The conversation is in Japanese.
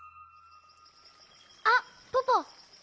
あっポポ。